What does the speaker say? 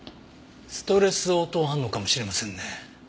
ストレス応答反応かもしれませんね。